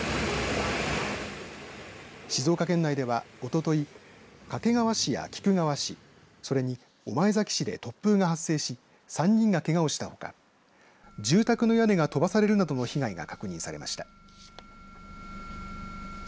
静岡県内では、おととい掛川市や菊川市それに、御前崎市で突風が発生し３人がけがをしたほか住宅の屋根が飛ばされるなどの被害が確認されました。